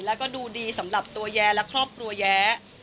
แล้วก็ดูดีสำหรับตัวแย้และครอบครัวแย้